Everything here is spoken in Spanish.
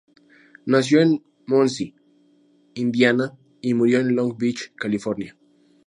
Nació en Muncie, Indiana y murió en Long Beach, California.